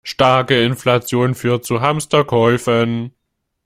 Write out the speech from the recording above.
Starke Inflation führt zu Hamsterkäufen.